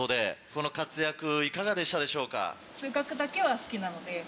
この活躍いかがでしたでしょうか？